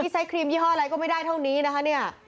ใช้ครีมยี่ห้ออะไรก็ไม่ได้เท่านี้นะคะเนี่ย